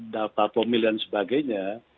data pemilihan dan sebagainya